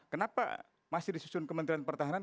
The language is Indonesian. kenapa masih disusun kementerian pertahanan